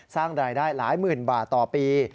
สร้างรายได้หลายหมื่นบาทต่อปี